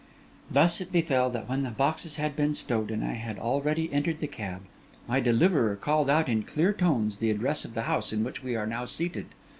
Thus it befell that, when the boxes had been stowed, and I had already entered the cab, my deliverer called out in clear tones the address of the house in which we are now seated.